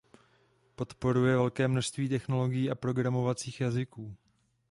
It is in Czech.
Podporuje velké množství technologií a programovacích jazyků.